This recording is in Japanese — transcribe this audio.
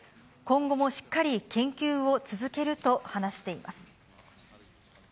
今後もしっかり研究を続けると話しています。